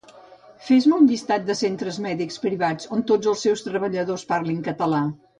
Fes-me un llistat dels Centres Mèdics Privats on tots els seus treballadors parlin català